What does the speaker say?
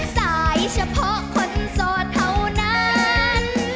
สายเฉพาะคนโสดเท่านั้น